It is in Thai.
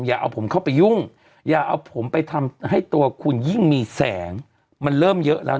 อย่าเอาผมเข้าไปยุ่งอย่าเอาผมไปทำให้ตัวคุณยิ่งมีแสงมันเริ่มเยอะแล้ว